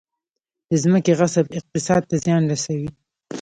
د ځمکې غصب اقتصاد ته زیان رسوي